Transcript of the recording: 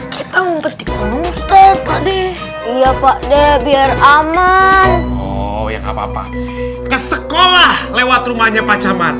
kita memperciptakan ustadz pakde iya pakde biar aman yang apa apa ke sekolah lewat rumahnya pacaman